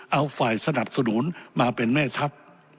เอาฝ่ายสนับสนุนมาเป็นแม่ทัพ